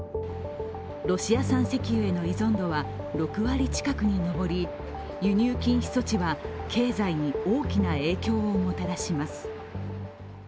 ロシア産石油への依存度は６割近くに上り、輸入禁止措置は経済に大きな影響をもたらします。